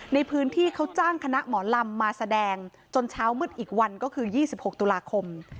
ในพื้นที่เขาจ้างคณะหมอลำมาแสดงจนเช้ามืดอีกวันก็คือ๒๖ตุลาคม